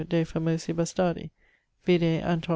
de famosi Bastardi: vide Anton.